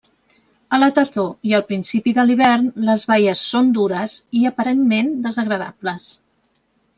A la tardor i al principi de l'hivern, les baies són dures i aparentment desagradables.